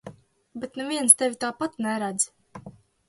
Bet neviens tevi tāpat neredz.